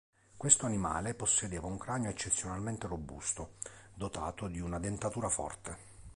Questo animale possedeva un cranio eccezionalmente robusto, dotato di una dentatura forte.